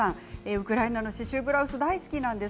ウクライナの刺しゅうブラウス大好きなんです。